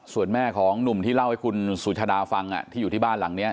ส่วนแม่ของหนุ่มที่เล่าให้คุณสุชาดาฟังที่อยู่ที่บ้านหลังนี้